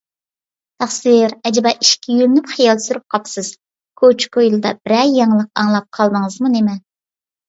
تەخسىر، ئەجەبا، ئىشىككە يۆلىنىپ خىيال سۈرۈپ قاپسىز، كوچا - كويلىدا بىرەر يېڭىلىق ئاڭلاپ قالدىڭىزمۇ نېمە؟